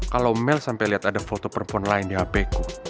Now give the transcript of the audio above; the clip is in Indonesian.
kalau mel sampai lihat ada foto perempuan lain di hpku